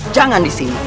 jangan di sini